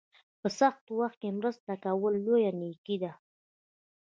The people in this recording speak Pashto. په سخت وخت کې مرسته کول لویه نیکي ده.